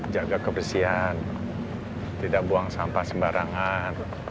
jaga kebersihan tidak buang sampah sembarangan